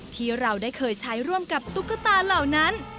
ที่เราได้เคยใช้ร่วมกับตุ๊กตาเหล่านั้น